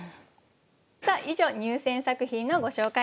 さあ以上入選作品のご紹介でした。